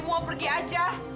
mau pergi aja